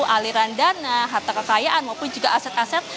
aliran dana harta kekayaan maupun juga aset aset